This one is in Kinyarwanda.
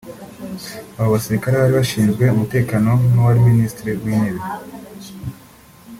Abo basirikare bari bashinzwe umutekano w’uwari Minisitiri w’intebe